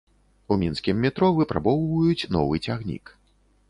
У мінскім метро выпрабоўваюць новы цягнік.